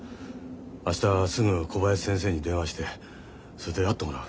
明日すぐ小林先生に電話してそれで会ってもらう。